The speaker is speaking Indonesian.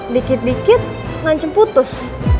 dikit dikit ngancem putus